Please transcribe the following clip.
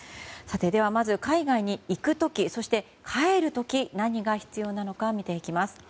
まず海外に行く時そして帰る時何が必要なのかを見ていきます。